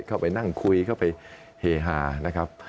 เข้าไปนั่งคุยเข้าไปเฮฮานะครับ